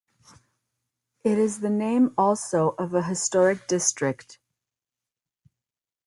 It is the name also of a historic district.